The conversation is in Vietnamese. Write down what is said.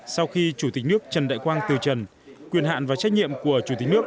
sau khi chủ tịch nước trần đại quang từ trần quyền hạn và trách nhiệm của chủ tịch nước